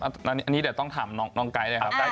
อันนี้เดี๋ยวต้องถามน้องไก๊เลยครับ